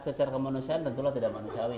secara kemanusiaan tentulah tidak manusiawi